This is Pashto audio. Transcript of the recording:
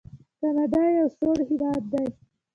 کاناډا یو سوړ هیواد دی.